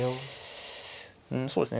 うんそうですね